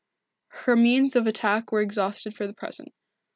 Her means of attack were exhausted for the present.